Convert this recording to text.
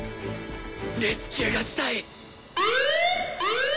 レスキューがしたい！！